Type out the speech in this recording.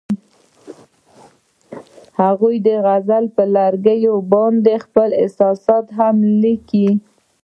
هغوی د غزل پر لرګي باندې خپل احساسات هم لیکل.